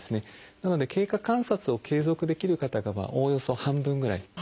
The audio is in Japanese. なので経過観察を継続できる方がおおよそ半分ぐらい。